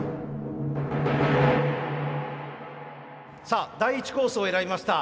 さあ第１コースを選びました